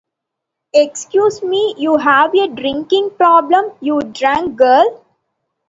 Excuse me, you have a drinking problem? You drunk girl!